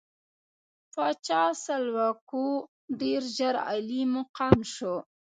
پاچا سلوکو ډېر ژر عالي مقام شو.